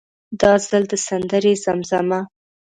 دا ځل د سندرې زمزمه.